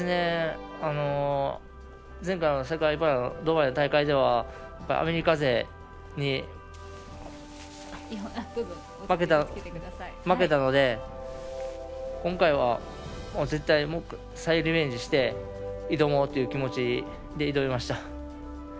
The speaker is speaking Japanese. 前回、世界パラドーハの大会ではアメリカ勢に負けたので今回は、絶対再リベンジして挑もうという気持ちで挑みました。